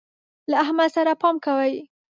له احمد سره پام کوئ.